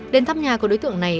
đến thăm nhà của đối tượng này